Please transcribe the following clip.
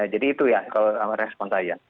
jadi itu ya kalau respon saya